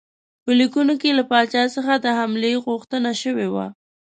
په لیکونو کې له پاچا څخه د حملې غوښتنه شوې وه.